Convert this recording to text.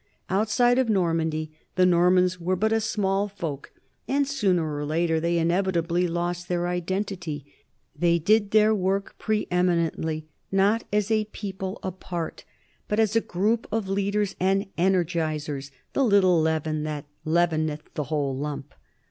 ^Outside of Normandy the Normans were but a small folk, and sooner or later they inevitably lost their identity. They did their work pre eminently not as a people apart, but as a group of lead ers and energizers, the little leaven that leaveneth the whole lump.